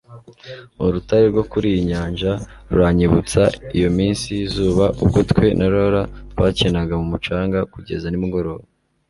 Urutare rwo kuri iyi nyanja ruranyibutsa iyo minsi yizuba ubwo twe na Laura twakinaga mumucanga kugeza nimugoroba